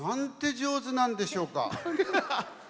上手なんでしょうか。